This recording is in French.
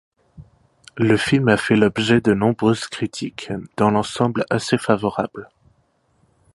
Le film a fait l’objet de nombreuses critiques, dans l’ensemble assez favorables.